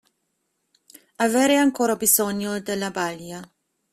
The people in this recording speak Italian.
Avere ancora bisogno della balia.